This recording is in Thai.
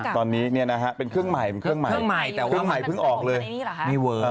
ตอนนี้เป็นเครื่องใหม่เครื่องใหม่เพิ่งออกเลย